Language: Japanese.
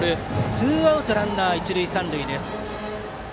ツーアウトランナー、一塁三塁。